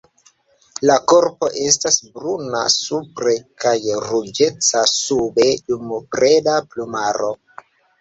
La korpo estas bruna supre kaj ruĝeca sube dum breda plumaro.